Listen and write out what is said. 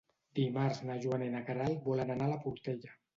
Dimarts na Joana i na Queralt volen anar a la Portella.